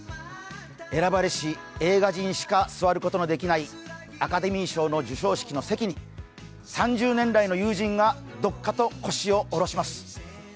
選ばれし映画人しか座ることのできないアカデミー賞の授賞式の席に３０年来の友人が、どっかと腰を下ろします。